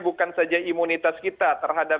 bukan saja imunitas kita terhadap